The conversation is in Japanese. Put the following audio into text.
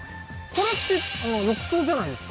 これって浴槽じゃないですか？